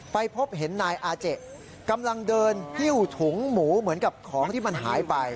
ไปพบเห็นนายอาเจกำลังเดินหิ้วถุงหมูเหมือนกับของที่มันหายไป